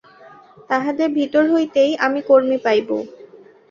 তাহাদের ভিতর হইতেই আমি কর্মী পাইব।